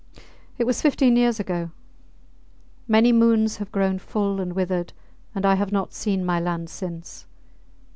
It was fifteen years ago. Many moons have grown full and withered and I have not seen my land since.